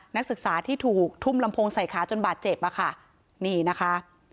นักศึกษาที่ถูกทุ่มลำโพงใส่ขาจนบาดเจ็บมาค่ะ